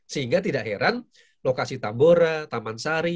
sehingga tidak heran lokasi tambora taman sari